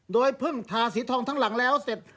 โดยเพิ่งทาสีทองทั้งหลังแล้วเสร็จ